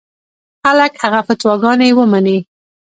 خلک هغه فتواګانې ومني.